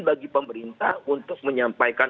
bagi pemerintah untuk menyampaikan